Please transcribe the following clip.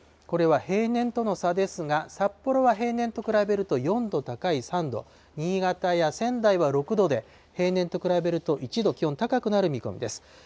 これは平年との差ですが、札幌は平年と比べると４度高い３度、新潟や仙台は６度で、平年と比べると１度気温高くなる見込みです。